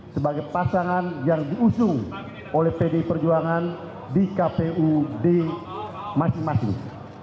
sebagai pasangan yang diusung oleh pdi perjuangan di kpud masing masing